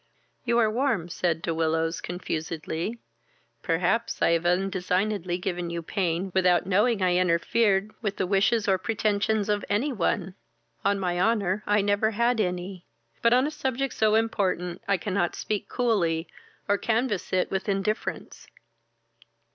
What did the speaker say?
"You are warm, (said De Willows, confusedly;) perhaps I have undesignedly given you pain, without knowing I interfered with the wishes or pretensions of any one. On my honour, I never had any; but, on a subject so important, I cannot speak coolly, or canvass it with indifference.